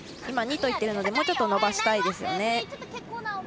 ２と言っているのでもうちょっと伸ばしたいですね。